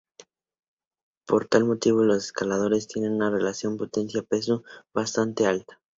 Por tal motivo los escaladores tienen una relación potencia-peso bastante alta.